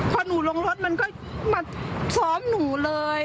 พอหนูลงรถนั่นมาทรอบหนูเลย